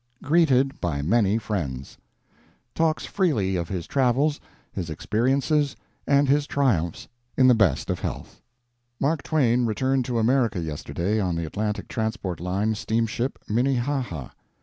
GREETED BY MANY FRIENDS Talks Freely of His Travels, His Experiences, and His Triumphs In the Best of Health. Mark Twain returned to America yesterday on the Atlantic Transport Line steamship Minnehaha.